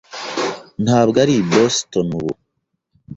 ntabwo ari i Boston ubu.